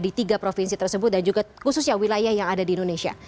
di tiga provinsi tersebut dan juga khususnya wilayah yang ada di indonesia